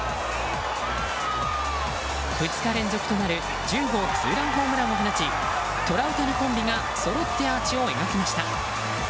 ２日連続となる１０号ツーランホームランを放ちトラウタニコンビがそろってアーチを描きました。